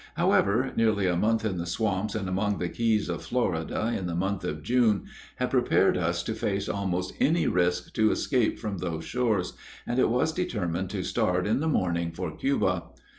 However, nearly a month in the swamps and among the keys of Florida, in the month of June, had prepared us to face almost any risk to escape from those shores, and it was determined to start in the morning for Cuba.